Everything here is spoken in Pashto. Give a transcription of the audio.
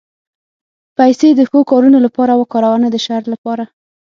پېسې د ښو کارونو لپاره وکاروه، نه د شر لپاره.